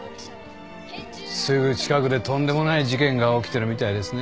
すぐ近くでとんでもない事件が起きてるみたいですね。